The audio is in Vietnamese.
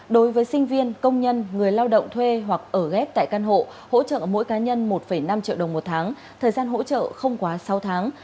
đối với sinh viên công nhân người lao động thuê hoặc ở ghép tại căn hộ hỗ trợ mỗi cá nhân một năm triệu đồng một tháng thời gian hỗ trợ không quá sáu tháng